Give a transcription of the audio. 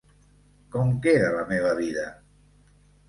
Com queda la meva vida?